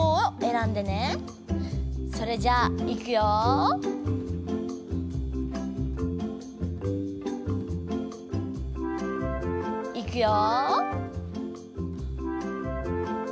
それじゃあいくよ。いくよ。